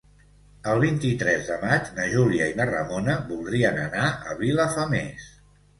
El vint-i-tres de maig na Júlia i na Ramona voldrien anar a Vilafamés.